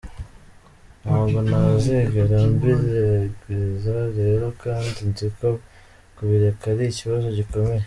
Ntabwo nazigera mbigerageza rero kandi nziko kubireka ari ikibazo gikomeye.